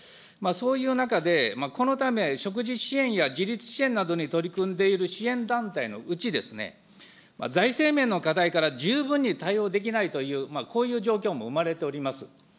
そういう中で、このため、食事支援や自立支援などに取り組んでいる支援団体のうち、財政面の課題から十分に対応できないという、こういう状況も生まれております。